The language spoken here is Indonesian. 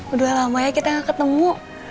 udah lama ya kita ketemu